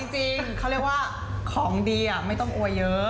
จริงเขาเรียกว่าของดีไม่ต้องอวยเยอะ